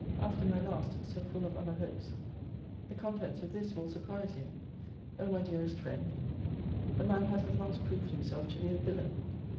After my last, so full of other hopes, the contents of this will surprise you. O my dearest friend, the man has at last proved himself to be a villain!